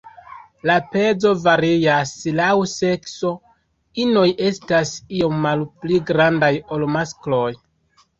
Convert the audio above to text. La pezo varias laŭ sekso, inoj estas iom malpli grandaj ol maskloj.